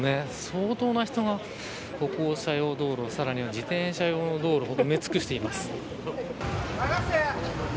相当な人が歩行者用道路さらには自転車用の道路を埋め尽くしています。